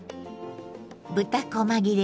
豚こま切れ